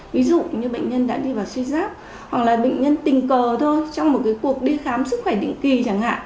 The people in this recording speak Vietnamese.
ví dụ như bệnh nhân đã đi vào suy giáp hoặc là bệnh nhân tình cờ thôi trong một cuộc đi khám sức khỏe định kỳ chẳng hạn